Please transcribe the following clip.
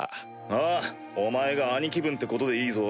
ああお前が兄貴分ってことでいいぞ。